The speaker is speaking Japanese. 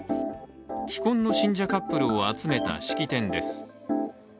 既婚の信者カップルを集めた式典です。